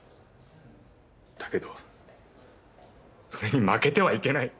だけどそれに負けてはいけない。